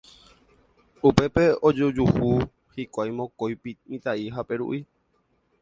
Upépe ojojuhu hikuái mokõi mitã'i ha Peru'i.